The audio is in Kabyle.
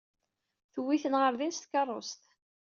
Tewwi-ten ɣer din s tkeṛṛust.